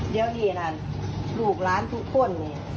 เดี๋ยวนี่นะลูกหลานทุกคน